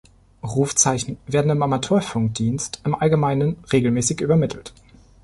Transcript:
Rufzeichen werden im Amateurfunkdienst im Allgemeinen regelmäßig übermittelt.